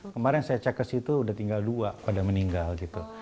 kemarin saya cek ke situ udah tinggal dua pada meninggal gitu